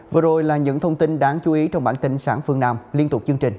vừa rồi là những thông tin đáng chú ý trong bản tin sáng phương nam liên tục chương trình